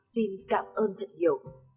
xin cảm ơn thật nhiều